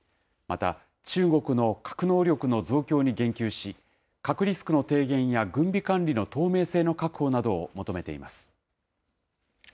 また、中国の核能力の増強に言及し、核リスクの低減や軍備管理の透明性の確保などを求めています。